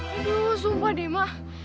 aduh sumpah dima